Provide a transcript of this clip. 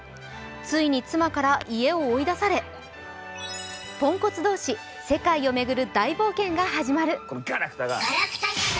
ついに妻から家を追い出され、ポンコツ同士、世界を巡る大冒険が始まる。